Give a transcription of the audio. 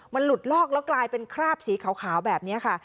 มันหลุดลอกแล้วกลายเป็นคราบสีขาวแบบนี้ค่ะ